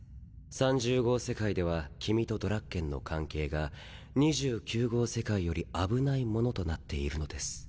３０号世界では君とドラッケンの関係が２９号世界より危ないものとなっているのです。